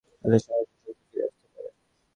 এতে স্মরণশক্তি ফিরে আসতে পারে।